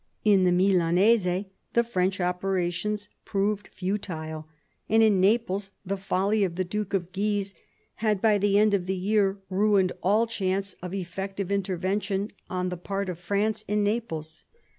In the Milanese the French operations proved futile, and in Naples the folly of the Duke of Guise had by the end of the year ruined all chance of effective intervention on the part of France in Naples.